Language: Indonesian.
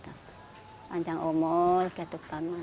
semoga saya bisa bertahan lama